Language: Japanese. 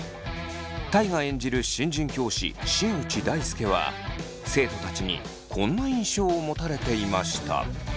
大我演じる新人教師新内大輔は生徒たちにこんな印象を持たれていました。